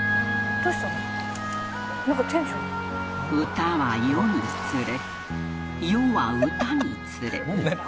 歌は世につれ世は歌につれ